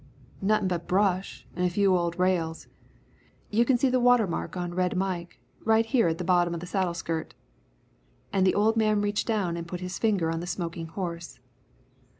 "Nothin' but brush an' a few old rails. You can see the water mark on Red Mike right here at the bottom of the saddle skirt." And the old man reached down and put his finger on the smoking horse.